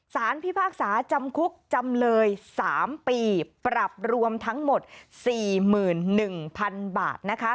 พิพากษาจำคุกจำเลย๓ปีปรับรวมทั้งหมด๔๑๐๐๐บาทนะคะ